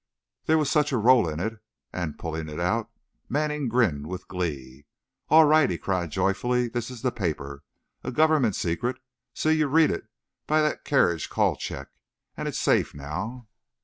There was such a roll in it, and pulling it out, Manning grinned with glee. "All right," he cried, joyfully; "this is the paper, a Government secret! See, you read it by that carriage call check, and it's safe now!"